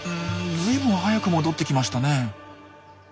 ずいぶん早く戻ってきましたね。